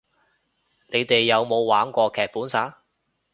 你哋有冇玩過劇本殺